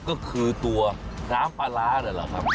ก็คือตัวน้ำปลาร้าเนี่ยหรือครับ